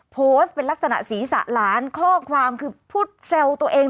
โพสต์เป็นลักษณะศีรษะหลานข้อความคือพูดแซวตัวเอง